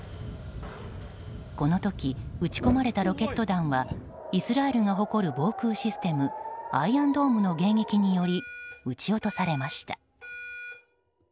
この時、撃ち込まれたロケット弾はイスラエルが誇る防空システムアイアンドームの迎撃により撃ち落とされました。